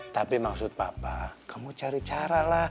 tapi maksud papa kamu cari cara lah